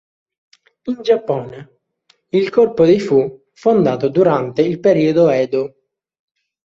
In Giappone il corpo dei fu fondato durante il periodo Edo.